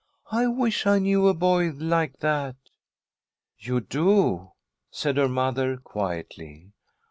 I wish I knew a boy like that." "You do," said her mother, quietly.